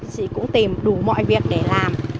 chị cũng tìm đủ mọi việc để làm